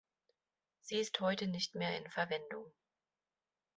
Sie ist heute nicht mehr in Verwendung.